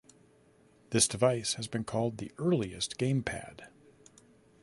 This device has been called the earliest gamepad.